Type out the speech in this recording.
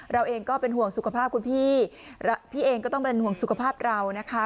เราเองก็เป็นห่วงสุขภาพคุณพี่พี่เองก็ต้องเป็นห่วงสุขภาพเรานะคะ